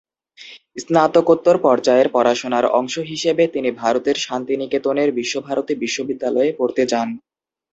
স্নাতকোত্তর পর্যায়ের পড়াশোনার অংশ হিসেবে তিনি ভারতের শান্তিনিকেতনের বিশ্বভারতী বিশ্ববিদ্যালয়ে পড়তে যান।